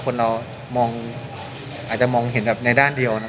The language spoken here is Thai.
คนเรามองอาจจะมองเห็นแบบในด้านเดียวนะครับ